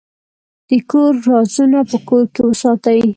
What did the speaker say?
د کور رازونه په کور کې وساتئ.